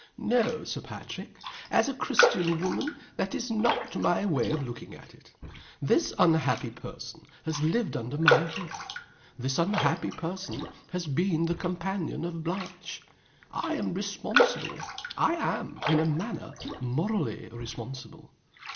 "No, Sir Patrick! As a Christian woman, that is not my way of looking at it. This unhappy person has lived under my roof. This unhappy person has been the companion of Blanche. I am responsible I am, in a manner, morally responsible.